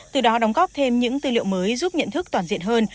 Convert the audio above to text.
từ đó đóng góp thêm những tư liệu mới giúp nhận thức toàn diện hơn